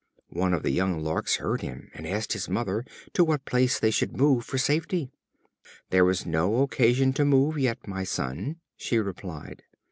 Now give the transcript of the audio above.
One of the young Larks heard him, and asked his mother to what place they should move for safety. "There is no occasion to move yet, my son," she replied.